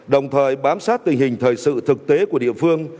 đồng thời bám sát tình hình thời sự thực tế của địa phương